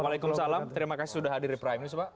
waalaikumsalam terima kasih sudah hadir di prime news pak